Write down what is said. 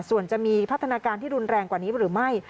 ส่วนจะมีพัฒนาการที่รุนแรงกว่านี้หรือไม่